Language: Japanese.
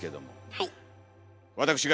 はい。